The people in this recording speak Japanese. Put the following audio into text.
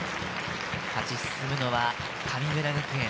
勝ち進むのは神村学園。